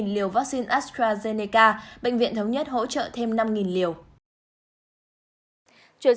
một mươi liều vaccine astrazeneca bệnh viện thống nhất hỗ trợ thêm năm liều